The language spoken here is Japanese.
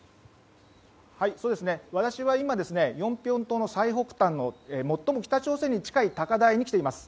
私は今ヨンピョン島の最北端の最も北朝鮮に近い高台に来ています。